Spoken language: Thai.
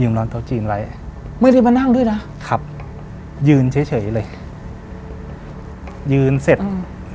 นอนโต๊ะจีนไว้ไม่ได้มานั่งด้วยนะครับยืนเฉยเฉยเลยยืนเสร็จอืม